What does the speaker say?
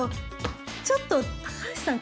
ちょっと高橋さん